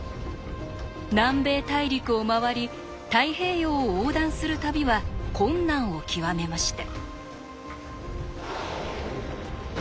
南米大陸を回り太平洋を横断する旅は困難を極めました。